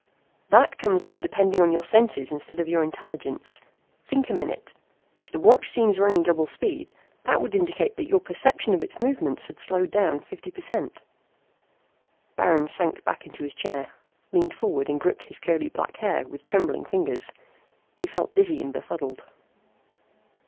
"That comes from depending on your senses instead of your intelligence. Think a minute. If the watch seems running double speed that would indicate that your perception of its movements had slowed down fifty per cent." Baron sank back into his chair, leaned forward and gripped his curly black hair with trembling fingers. He felt dizzy and befuddled.